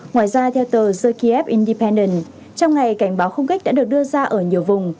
ngoài ra theo tờ the kiev independent trong ngày cảnh báo không kích đã được đưa ra ở nhiều vùng